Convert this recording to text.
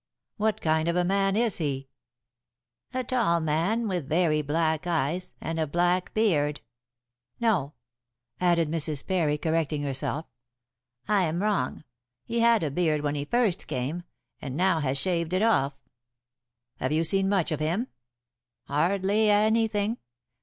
"What kind of a man is he?" "A tall man, with very black eyes, and a black beard. No," added Mrs. Parry, correcting herself, "I am wrong. He had a beard when he first came, and now has shaved it off." "Have you seen much of him?" "Hardly anything.